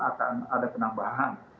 akan ada penambahan